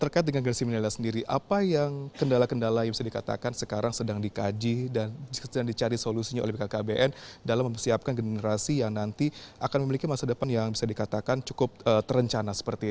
terkait dengan generasi milenial sendiri apa yang kendala kendala yang bisa dikatakan sekarang sedang dikaji dan sedang dicari solusinya oleh bkkbn dalam mempersiapkan generasi yang nanti akan memiliki masa depan yang bisa dikatakan cukup terencana seperti itu